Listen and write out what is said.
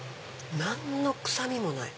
何の臭みもない！